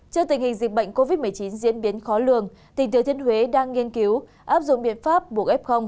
trước tình hình dịch bệnh covid một mươi chín diễn biến khó lường tỉnh thừa thiên huế đang nghiên cứu áp dụng biện pháp buộc f